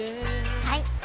はい！